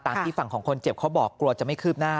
ที่ฝั่งของคนเจ็บเขาบอกกลัวจะไม่คืบหน้า